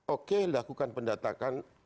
oke lakukan pendatangan